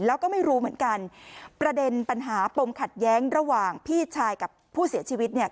แล้วก็ไม่รู้เหมือนกันประเด็นปัญหาปมขัดแย้งระหว่างพี่ชายกับผู้เสียชีวิตเนี่ย